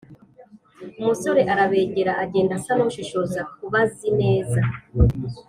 umusore arabegera, agenda asa n'ushishoza nk'ubazi neza,